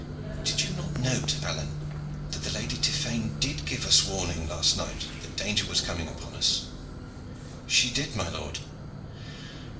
Did you not note, Alleyne, that the Lady Tiphaine did give us warning last night that danger was coming upon us?" "She did, my lord."